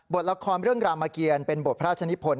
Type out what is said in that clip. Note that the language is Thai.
ละครเรื่องรามเกียรเป็นบทพระราชนิพล